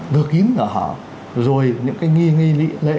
thừa kín ở họ rồi những cái nghi lễ